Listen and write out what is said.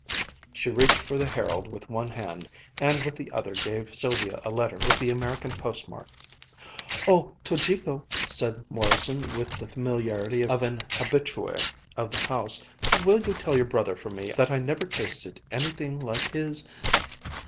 She reached for the Herald with one hand, and with the other gave Sylvia a letter with the American postmark. "Oh, Tojiko," said Morrison with the familiarity of an habitué of the house, "will you tell your brother for me that I never tasted anything like his